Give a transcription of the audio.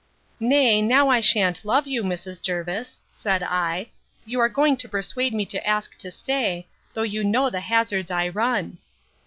Nay, now I shan't love you, Mrs. Jervis, said I; you are going to persuade me to ask to stay, though you know the hazards I run.